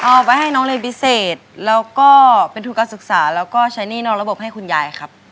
เอาไว้ให้น้องเรียนพิเศษแล้วก็เป็นทุนการศึกษาแล้วก็ใช้หนี้นอกระบบให้คุณยายครับ